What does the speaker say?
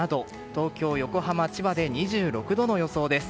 東京、横浜、千葉で２６度の予想です。